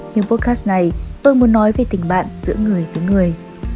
những podcast này tôi muốn nói về tình bạn giữa người với người